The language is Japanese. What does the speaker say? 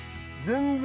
全然。